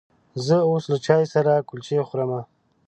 زه اوس له چای سره کلچې خورمه.